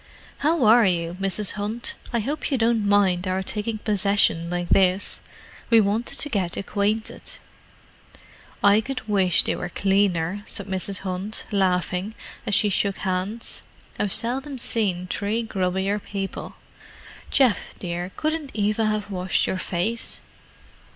"How are you, Mrs. Hunt? I hope you don't mind our taking possession like this. We wanted to get acquainted." "I could wish they were cleaner," said Mrs. Hunt, laughing, as she shook hands. "I've seldom seen three grubbier people. Geoff, dear, couldn't Eva have washed your face?"